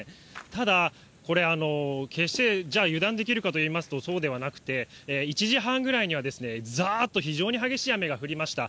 ただこれ、決して、じゃあ油断できるかというと、そうではなくて、１時半ぐらいにはざっと非常に激しい雨が降りました。